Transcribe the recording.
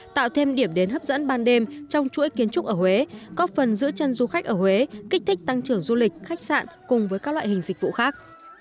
tạo thêm điểm đến hấp dẫn ban đêm trong chuỗi kiến trúc ở huế có phần giữ chân du khách ở huế kích thích tăng trưởng du lịch khách sạn cùng với các loại hình dịch vụ khác